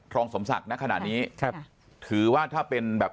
ทรองศมศักดิ์นะขนาดนี้เถอะถือว่าถ้าเป็นแบบ